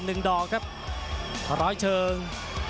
หนึ่งดอกครับร้อยเชิง